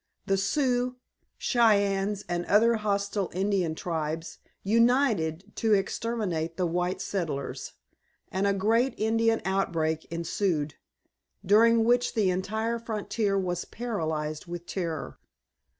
The Sioux, Cheyennes and other hostile Indian tribes united to exterminate the white settlers, and a great Indian outbreak ensued, during which the entire frontier was paralyzed with terror.